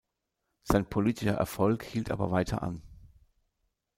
Sein politischer Erfolg hielt aber weiter an.